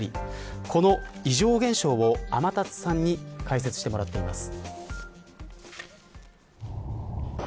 この異常現象を天達さんに解説してもらっています。